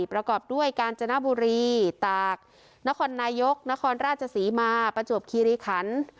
ประกอบด้วยกาญจนบุรีตากนครนายกนครราชศรีมาประจวบคีรีขัน